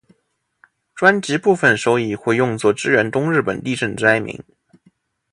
专辑部分收益会用作支援东日本地震灾民。